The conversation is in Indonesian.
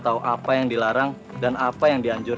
nih udah haramat jujur